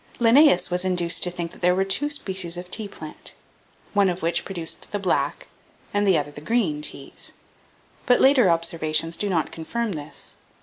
Linnaeus was induced to think that there were two species of tea plant, one of which produced the black, and the other the green teas; but later observations do not confirm this.